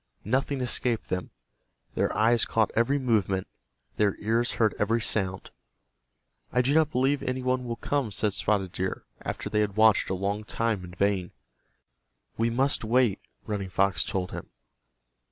Nothing escaped them. Their eyes caught every movement, their ears heard every sound. "I do not believe any one will come," said Spotted Deer, after they had watched a long time in vain. "We must wait," Running Fox told him.